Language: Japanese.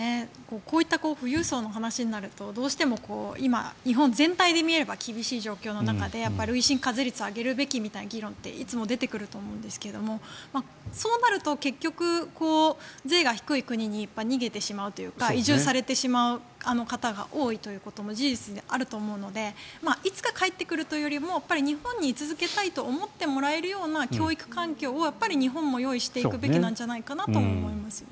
こういった富裕層の話になるとどうしても今、日本全体で見れば厳しい状況の中で累進課税率を上げるべきみたいな議論っていつも出てくると思うんですがそうなると結局税が低い国に逃げてしまうというか移住されてしまう方が多いということも事実であると思うのでいつか帰ってくるというよりも日本に居続けたいと思ってもらえるような教育環境を日本も用意していくべきなんじゃないかと思いますね。